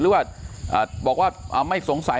หรือว่าบอกว่าไม่สงสัย